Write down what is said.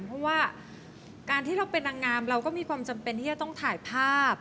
เพราะว่าการที่เราเป็นนางงามเราก็มีความจำเป็นที่จะต้องถ่ายภาพ